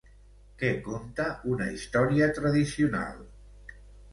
Què conta una història tradicional?